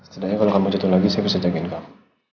setidaknya kalau kamu jatuh lagi saya bisa jagain kamu